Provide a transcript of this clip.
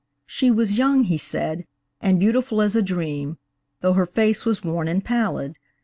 She was young, he said, and beautiful as a dream, though her face was worn and pallid.